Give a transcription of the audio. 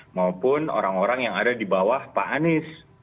maupun orang orang yang ada di bawah pak anies